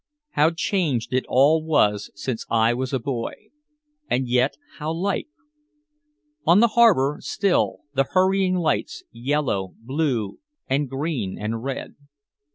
How changed it all was since I was a boy. And yet how like. On the harbor still the hurrying lights, yellow, blue and green and red.